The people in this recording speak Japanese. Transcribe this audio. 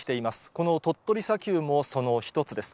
この鳥取砂丘もその一つです。